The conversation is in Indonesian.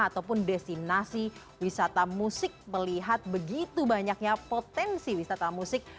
ataupun destinasi wisata musik melihat begitu banyaknya potensi wisata musik